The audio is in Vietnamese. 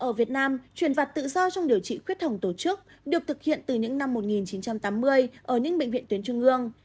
ở việt nam truyền vật tự do trong điều trị khuyết hỏng tổ chức được thực hiện từ những năm một nghìn chín trăm tám mươi ở những bệnh viện tuyến trung ương